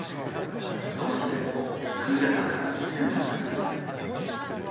この日で、クーデターから１年が経ちました。